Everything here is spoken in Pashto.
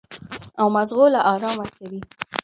او مزغو له ارام ورکوي -